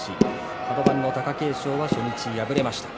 カド番の貴景勝は初日敗れました。